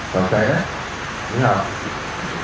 สนใจมั้ย